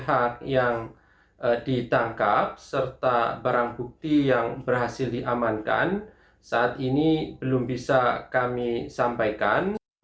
pihak yang ditangkap serta barang bukti yang berhasil diamankan saat ini belum bisa kami sampaikan